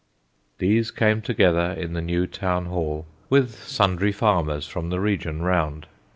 These came together in the new town hall, With sundry farmers from the region round.